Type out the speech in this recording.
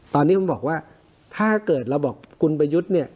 ตอนนี้ผมบอกว่าถ้าเกิดเราบอกคุณประยุทธ์เนี่ย